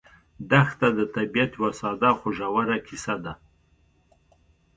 دښته د طبیعت یوه ساده خو ژوره کیسه ده.